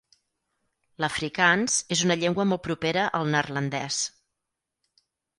L'afrikaans és una llengua molt propera al neerlandès.